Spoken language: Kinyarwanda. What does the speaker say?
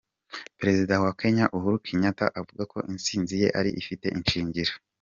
Perezida wa Kenya Uhuru Kenyatta avuga ko intsinzi ye yari ifite ishingiro.